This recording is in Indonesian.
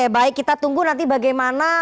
baik kita tunggu nanti bagaimana